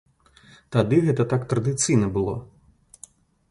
Тады гэта так традыцыйна было.